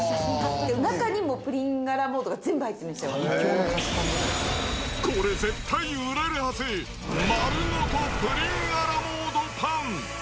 中にプリンアラモードが全部入っこれ絶対売れるはず、丸ごとプリンアラモードパン。